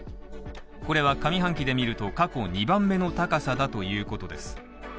これは上半期で見ると過去２番目の高さだということです。